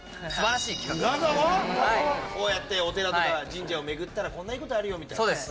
こうやってお寺とか神社を巡ったら、こんないいことあるよみそうです。